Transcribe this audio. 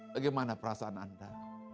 bagaimana perasaan anda